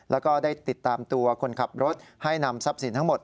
แล้วก็ได้ติดตามตัวคนขับรถให้นำทรัพย์สินทั้งหมด